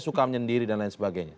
suka menyendiri dan lain sebagainya